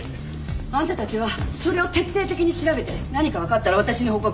あんたたちはそれを徹底的に調べて何かわかったら私に報告。